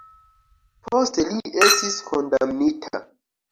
Poste li estis kondamnita.